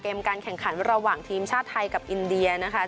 การแข่งขันระหว่างทีมชาติไทยกับอินเดียนะคะ